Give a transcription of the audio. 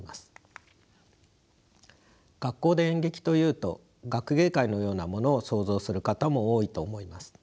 学校で演劇というと学芸会のようなものを想像する方も多いと思います。